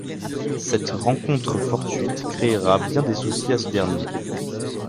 Cette rencontre fortuite créera bien des soucis à ce dernier.